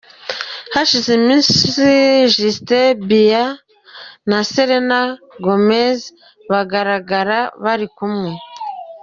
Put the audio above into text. Hashize iminsi Justin Bieber na selena Gomez bagaragara bari kumwe.